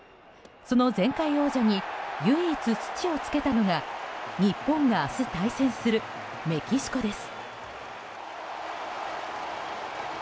その前回王者に唯一、土をつけたのが日本が明日対戦するメキシコです。